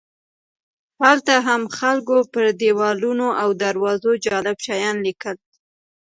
هلته هم خلکو پر دیوالونو او دروازو جالب شیان لیکل.